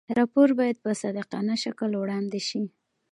راپور باید په صادقانه شکل وړاندې شي.